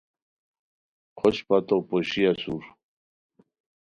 خوشپہ تو پوشی اسور